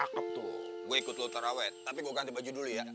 gue ikut lu taraweh tapi gua ganti baju dulu ya